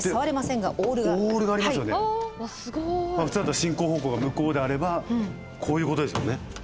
進行方向が向こうであればこういうことですよね。